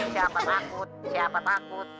siapa takut siapa takut